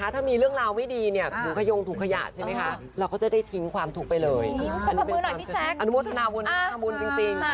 เป็นความตั้งใจ